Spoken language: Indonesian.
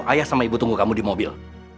ayah sama ibu tunggu kamu di mobil